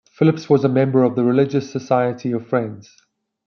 Phillips was a member of the Religious Society of Friends.